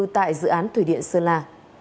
tại dự án thủy điện sơn la